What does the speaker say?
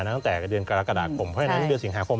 ตั้งแต่เดือนกรกฎาคมเพราะฉะนั้นเดือนสิงหาคม